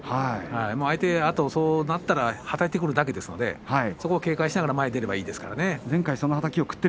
相手はあとは、そうなったらはたいてくるだけですのでそこを警戒しながら前に出ればいいだけですからね。